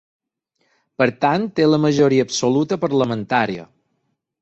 Per tant, té la majoria absoluta parlamentària.